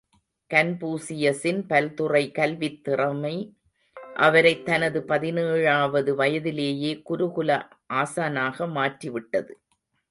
கன்பூசியசின் பல்துறை கல்வித் திறமை அவரைத் தனது பதினேழாவது வயதிலேயே குருகுல ஆசானாக மாற்றி விட்டது.